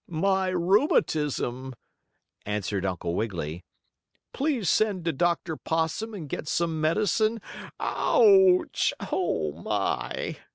"My rheumatism," answered Uncle Wiggily. "Please send to Dr. Possum and get some medicine. Ouch! Oh, my!"